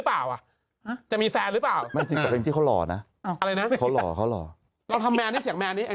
สวัสดีครับขาวไสขัย